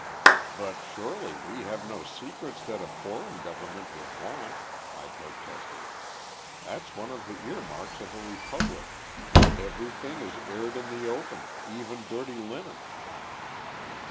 "But surely we have no secrets that a foreign government would want!" I protested. "That's one of the earmarks of a republic. Everything is aired in the open, even dirty linen."